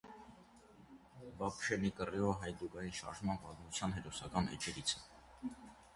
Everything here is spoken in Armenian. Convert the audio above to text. Բաբշենի կռիվը հայդուկային շարժման պատմության հերոսական էջերից է։